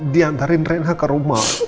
diantarin rena ke rumah